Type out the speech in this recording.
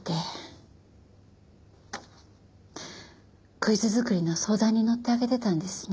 クイズ作りの相談に乗ってあげてたんですね。